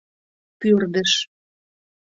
Пӱрдыш